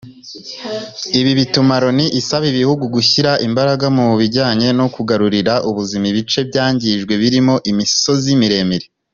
Ibi bituma Loni isaba ibihugu gushyira imbaraga mu bijyanye no kugarurira ubuzima ibice byangijwe birimo imisozi miremire